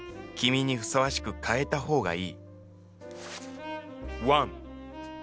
君にふさわしく変えた方がいい。